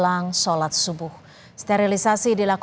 ada open house nggak pak